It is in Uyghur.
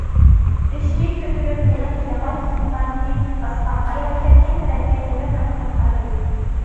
بېشىنى كۆتۈرۈپ ھېلىقى ياغاچ زۇننارنى ئاسقان ئايال كەتكەن تەرەپكە يەنە بىر قېتىم قارىدى.